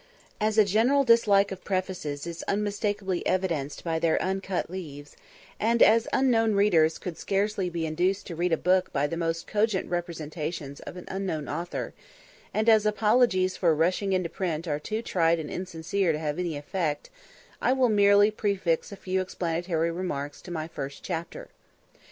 As a general dislike of prefaces is unmistakeably evidenced by their uncut leaves, and as unknown readers could scarcely be induced to read a book by the most cogent representations of an unknown author, and as apologies for "rushing into print" are too trite and insincere to have any effect, I will merely prefix a few explanatory remarks to my first chapter.